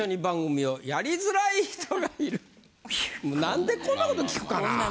何でこんなこと聞くかな？